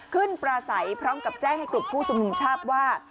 ปราศัยพร้อมกับแจ้งให้กลุ่มผู้ชุมนุมทราบว่า